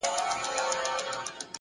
په وينو لژنده اغيار وچاته څه وركوي ـ